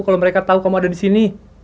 kalau mereka tahu kamu ada di sini